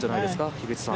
樋口さん。